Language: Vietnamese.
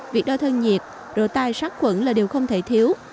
việc đo thân nhiệt rổ tai sát quẩn là điều không thể thiếu